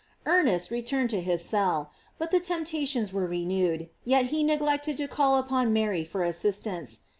Ernest returned to his cell ; but the temptations were renewed, yet he neglected to call upon Mary for assistance.